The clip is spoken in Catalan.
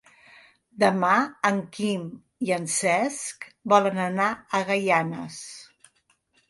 Demà en Quim i en Cesc volen anar a Gaianes.